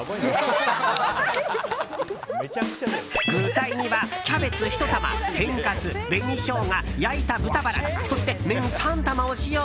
具材には、キャベツ１玉天かす、紅ショウガ焼いた豚バラそして、麺３玉を使用。